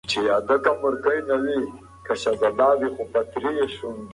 شریف د خپل زوی په راتلونکي ډېر فکر کوي.